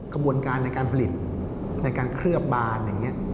กระบวนการในการผลิตในการเคลือบบานอย่างนี้